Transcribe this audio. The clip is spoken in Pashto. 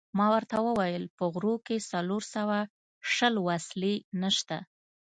ما ورته وویل: په غرو کې څلور سوه شل وسلې نشته.